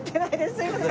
すいません！